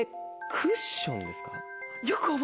クッションです。